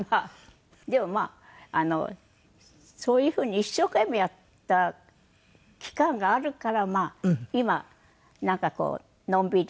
でもまあそういうふうに一生懸命やった期間があるから今なんかこうのんびり。